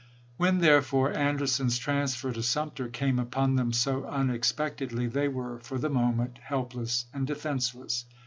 When, therefore, Anderson's transfer to Sumter came upon them so unexpectedly, they were for the moment helpless and defenseless.